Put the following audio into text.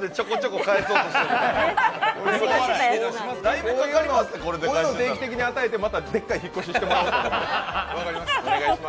こういうのを定期的に買い与えてまたでかい引っ越ししてもらおうと。